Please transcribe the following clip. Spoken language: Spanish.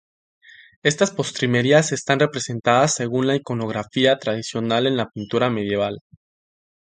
Estas postrimerías están representadas según la iconografía tradicional en la pintura medieval.